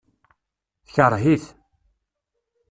Tekreh-it.